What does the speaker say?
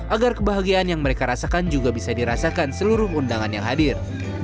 agar kebahagiaan yang mereka rasakan juga bisa dirasakan seluruh undangan yang hadir